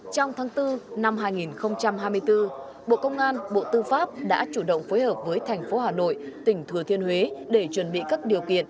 trong tháng bốn năm hai nghìn hai mươi bốn bộ công an bộ tư pháp đã chủ động phối hợp với thành phố hà nội tỉnh thừa thiên huế để chuẩn bị các điều kiện